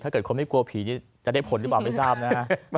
ถ้าเกิดคนไม่กลัวผีจะได้ผลหรือเปล่าไม่ทราบนะฮะ